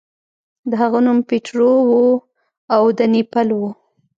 د هغه نوم پیټرو و او د نیپل و.